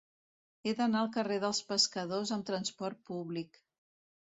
He d'anar al carrer dels Pescadors amb trasport públic.